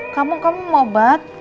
kamu mau obat